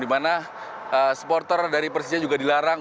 dimana supporter dari persija juga dilarang